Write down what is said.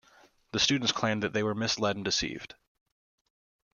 The students claimed that they were misled and deceived.